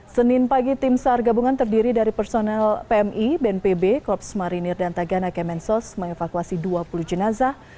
senin pagi tim sar gabungan terdiri dari personel pmi bnpb korps marinir dan tagana kemensos mengevakuasi dua puluh jenazah